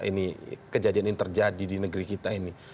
ini kejadian yang terjadi di negeri kita ini